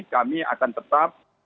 kami akan tetap